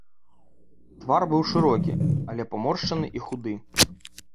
Твар быў шырокі, але паморшчаны і худы.